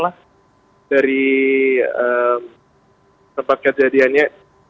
tadi anda katakan anda inisiatif selalu berjalan